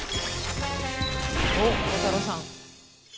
おっ鋼太郎さん。